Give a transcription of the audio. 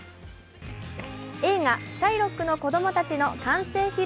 映画「シャイロックの子供たち」の完成披露